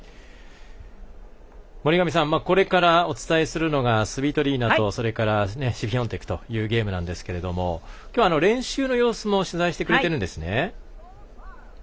森上さんこれからお伝えするのがスビトリーナとシフィオンテクというゲームなんですけれども今日は練習の様子も取材してくれているんですね。